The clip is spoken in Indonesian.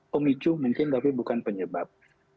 pemicu mungkin tapi bukan penyebab